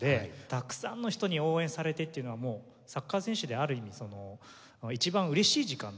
たくさんの人に応援されてっていうのはもうサッカー選手である意味一番嬉しい時間なのですね。